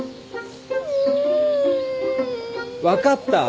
分かった！